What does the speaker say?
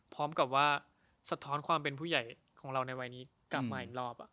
พร้อมกับว่าสะท้อนความเป็นผู้ใหญ่ของเราในวัยนี้กลับมาอีกรอบ